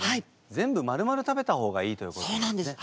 全部まるまる食べた方がいいということなんですね。